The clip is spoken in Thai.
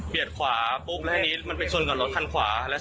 เบียดขวอคุกไปชนกับหลดขั้นขวา